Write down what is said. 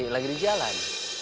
lagi di jalan